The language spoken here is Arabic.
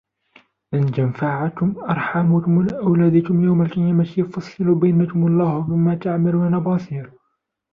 لن تنفعكم أرحامكم ولا أولادكم يوم القيامة يفصل بينكم والله بما تعملون بصير